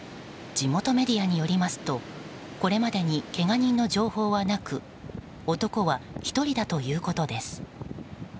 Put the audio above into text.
地元メディアによりますとこれまでにけが人の情報はなく男は１人だということです。